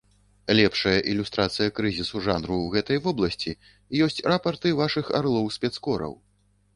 Лепшая ілюстрацыяй крызісу жанру ў гэтай вобласці, ёсць рапарты вашых арлоў-спецкораў.